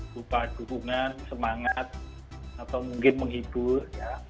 berupa dukungan semangat atau mungkin menghibur ya